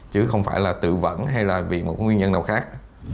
chứ không phải là tự vẫn hay là vì một nguyên nhân nào khác